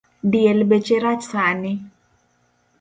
Diel beche rach sani